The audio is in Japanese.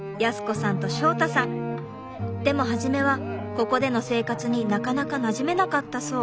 でもはじめはここでの生活になかなかなじめなかったそう。